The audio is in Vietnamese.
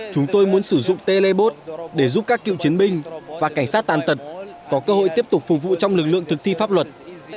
chúng tôi muốn sử dụng telebot để giúp các cựu chiến binh và cảnh sát tàn tật có cơ hội tiếp tục phục vụ trong lực lượng thực thi pháp luật